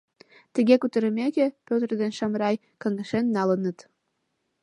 Тыге кутырымеке, Пӧтыр ден Шамрай каҥашен налыныт.